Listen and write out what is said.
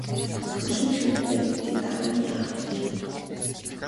Санал нь шүүгдсэн амьтдыг дараа нь яах бол?